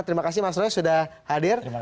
terima kasih mas roy sudah hadir